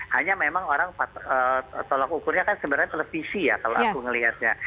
hanya memang orang tolak ukurnya kan sebenarnya televisi ya kalau aku ngelihatnya